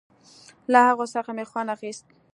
له هغو څخه مې خوند اخيست.